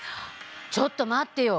ちょっとまってよ！